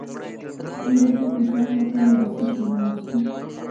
د روحي فشار لپاره د څه شي اوبه وڅښم؟